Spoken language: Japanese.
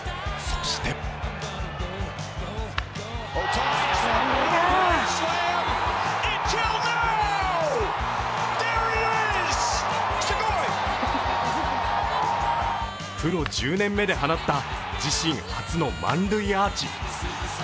そしてプロ１０年目で放った自身初の満塁アーチ。